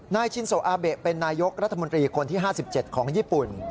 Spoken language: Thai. ชินโซอาเบะเป็นนายกรัฐมนตรีคนที่๕๗ของญี่ปุ่น